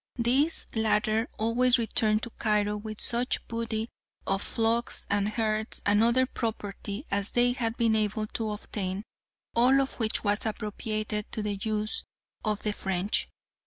These latter always returned to Cairo with such booty of flocks and herds and other property as they had been able to obtain, all of which was appropriated to the use of the French.